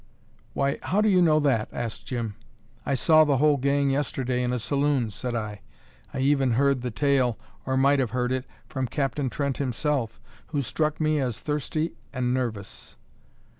"Why, how do you know that?" asked Jim. "I saw the whole gang yesterday in a saloon," said I. "I even heard the tale, or might have heard it, from Captain Trent himself, who struck me as thirsty and nervous."